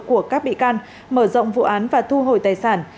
của các bị can mở rộng vụ án và thu hồi tài sản